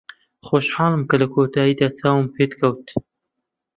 خۆشحاڵم کە لە کۆتاییدا چاوم پێت کەوت.